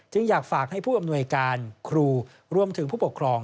อยากฝากให้ผู้อำนวยการครูรวมถึงผู้ปกครอง